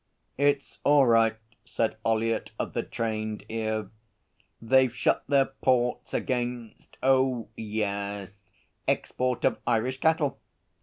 'It's all right,' said Ollyett of the trained ear. 'They've shut their ports against oh yes export of Irish cattle!